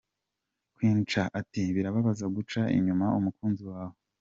Queen cha ati: "Birababaza guca inyuma umukunzi wawe.